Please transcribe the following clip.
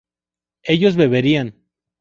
ellos beberían